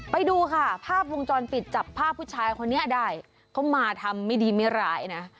ไปดูค่ะภาพวงจรปิดจับภาพผู้ชายคนนี้ได้เขามาทำไม่ดีไม่ร้ายนะ